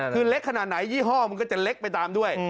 คือเล็กขนาดไหนยี่ห้อมันก็จะเล็กไปตามด้วย